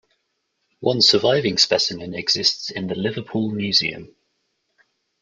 One surviving specimen exists in the Liverpool Museum.